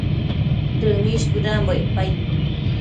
Dëmish bëdambo icpaid